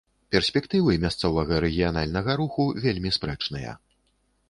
Перспектывы мясцовага рэгіянальнага руху вельмі спрэчныя.